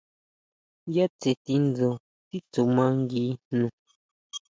¿ʼYá tseʼe tindsu titsuma ngui jno?